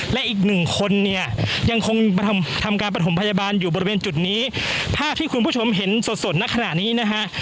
และอีกหนึ่งคนเนี่ยยังคงทำการประถมพยาบาลอยู่บริเวณจุดนี้ภาพที่คุณผู้ชมเห็นสดสดณขณะนี้นะฮะ